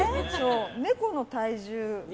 猫の体重が。